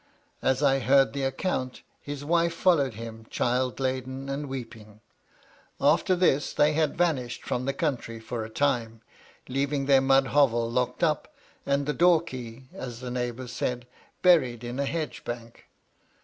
As I heard the account, his wife followed him, child laden and weeping'. After this^ they had vanished from the country for a time, leayisg their mud hovel locked up, and the door key, as the neighbours said, buried in a hedge bank.